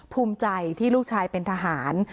ภูมิใจที่ลูกชายเป็นทหาร